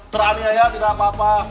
teraniaya tidak apa apa